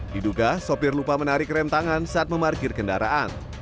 diduga sopir lupa menarik rem tangan saat memarkir kendaraan